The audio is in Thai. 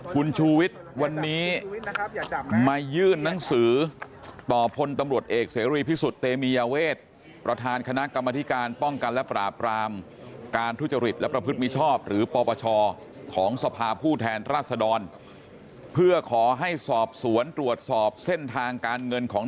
คุณชูวิทย์วันนี้มายื่นนังสือต่อผลตำรวจเอกเศรษฐ์พิสุทธิ์เตมียเวทประทานคณะกรรมธิการป้องกันและปราบรามการทุจริตและประพฤติมิชอบหรือปปชของสภาพ์ผู้แทนรัฐสดร